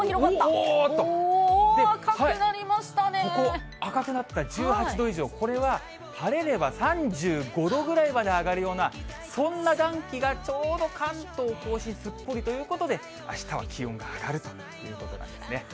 ここ、赤くなった１８度以上、これは晴れれば３５度ぐらいまで上がるような、そんな暖気が、ちょうど関東甲信、すっぽりということで、あしたは気温が上がるということなんですね。